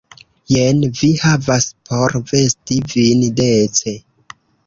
Jen vi havas por vesti vin dece.